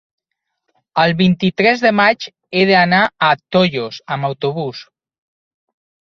El vint-i-tres de maig he d'anar a Tollos amb autobús.